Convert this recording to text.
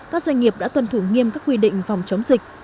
các doanh nghiệp đã tuân thủ nghiêm các quy định phòng chống dịch